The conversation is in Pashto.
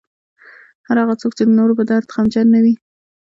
هر هغه څوک چې د نورو په درد غمجن نه وي.